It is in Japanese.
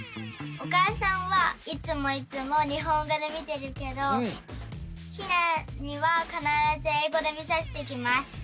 おかあさんはいつもいつもにほんごでみてるけどひなにはかならずえいごでみさせてきます。